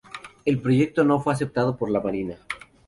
El proyecto no fue aceptado por la marina.